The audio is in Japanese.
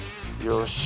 よし！